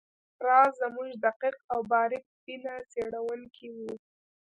راز زموږ دقیق او باریک بینه څیړونکی وو